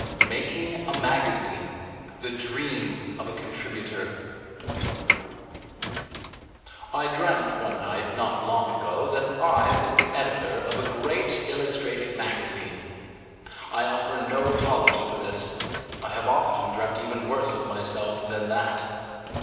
] MAKING A MAGAZINE (The Dream of a Contributor) Making a Magazine I DREAMT one night not long ago that I was the editor of a great illustrated magazine. I offer no apology for this: I have often dreamt even worse of myself than that.